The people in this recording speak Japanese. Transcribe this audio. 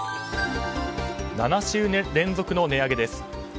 ７週連続の値上げです。